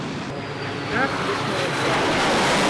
Как етмәйәсәк?!